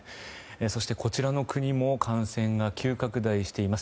そして、こちらの国も感染が急拡大しています。